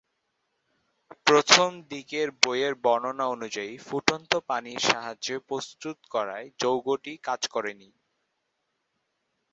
প্রথম দিকে বইয়ের বর্ণনা অনুযায়ী ফুটন্ত পানির সাহায্যে প্রস্তুত করায় যৌগটি কাজ করেনি।